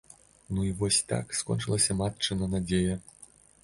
Ну і вось так скончылася матчына надзея.